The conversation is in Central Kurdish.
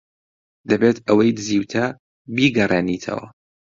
دەبێت ئەوەی دزیوتە بیگەڕێنیتەوە.